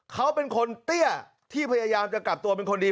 เขาเป็นคนเตี้ยที่พยายามจะกลับตัวเป็นคนดี